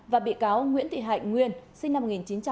và bị cáo nguyễn thị hạnh nguyên sinh năm một nghìn chín trăm bảy mươi chín